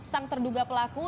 sang terduga pelaku